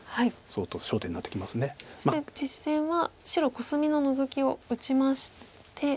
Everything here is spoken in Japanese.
そして実戦は白コスミのノゾキを打ちまして。